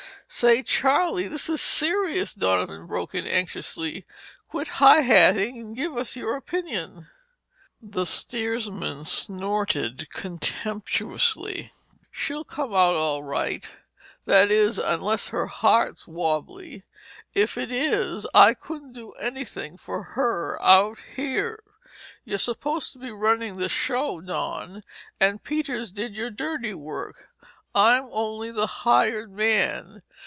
"Say, Charlie, this is serious," Donovan broke in anxiously. "Quit high hatting and give us your opinion." The steersman snorted contemptuously. "She'll come out of it all right—that is, unless her heart's wobbly. If it is, I couldn't do anything for her out here. You're supposed to be running this show, Don, and Peters did your dirty work. I'm only the hired man.